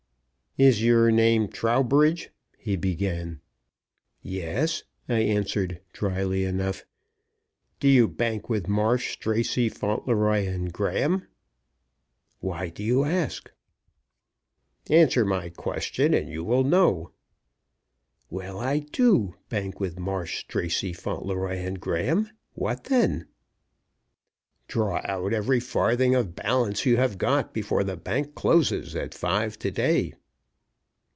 "Is your name Trowbridge?" he began. "Yes," I answered, dryly enough. "Do you bank with Marsh, Stracey, Fauntleroy & Graham?" "Why do you ask?" "Answer my question, and you will know." "Very well, I do bank with Marsh, Stracey, Fauntleroy & Graham and what then?" "Draw out every farthing of balance you have got before the bank closes at five to day."